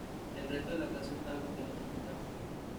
El resto de la casa estaba completamente intacta""".